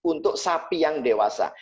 untuk sapi yang dewasa